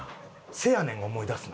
『せやねん！』思い出すな。